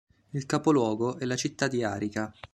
Il capoluogo è la città di Arica.